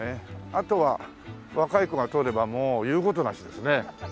あとは若い子が通ればもう言う事なしですね。